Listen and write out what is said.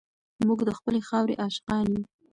موږ د خپلې خاورې عاشقان یو.